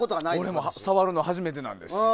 俺も触るの初めてなんです。